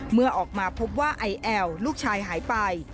เมื่อออกมาพบว่าไอแอลลูกชายหายไป